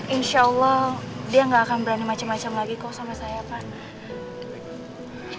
insya allah dia gak akan berani macam macam lagi kok sama saya pak